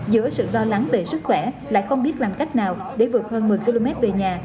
giữa sự lo lắng về sức khỏe lại không biết làm cách nào để vượt hơn một mươi km về nhà